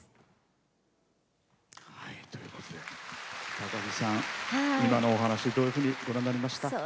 高城さん、今のお話どういうふうにご覧になりました？